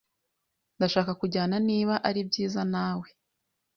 Ndashaka kujyana niba ari byiza nawe.